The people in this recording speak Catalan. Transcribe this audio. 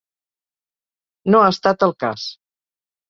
No ha estat el cas.